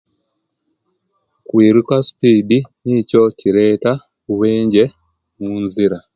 Kwiruka esipiddi nikyo ekireta obubenje omunzira